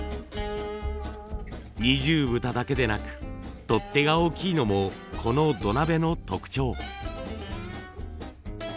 二重蓋だけでなく取っ手が大きいのもこの土鍋の特徴。